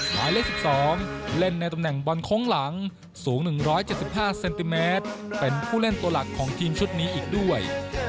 หมายเลข๑๒เล่นในตำแหน่งบอลโค้งหลังสูง๑๗๕เซนติเมตรเป็นผู้เล่นตัวหลักของทีมชุดนี้อีกด้วย